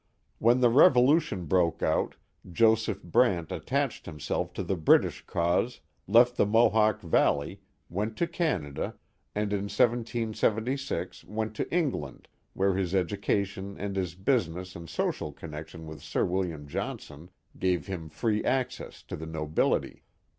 When the Revolution broke out Joseph Brant attached himself to the British cause, left the Mohawk Valley, went to Canada, and in 1776 went to England, where his education and his business and social connection with Sir William John son gave him free access to the nobility.